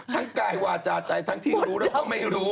ทั้งกายวาจฉาจัยทั้งที่รู้ด้วยต้องจบที่ไม่รู้